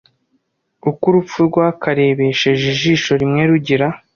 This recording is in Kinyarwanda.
Uko urupfu rwakarebesheje ijisho rimwe rugira